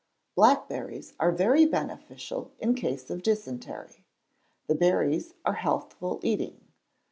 Blackberries are very beneficial in cases of dysentery. The berries are healthful eating.